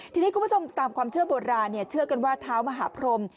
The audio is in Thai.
ทีนี้คุณผู้ชมตามความเชื่อโบราณเชื่อกันว่าเท้ามหาพรม